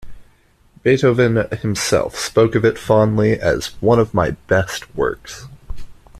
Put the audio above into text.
Beethoven himself spoke of it fondly as "one of my best works".